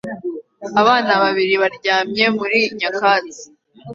Abana babiri baryamye muri nyakatsi